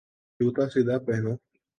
جوتا سیدھا پہنو